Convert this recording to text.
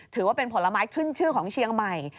ถือว่าเป็นผลไม้ขึ้นชื่อของเชียงใหม่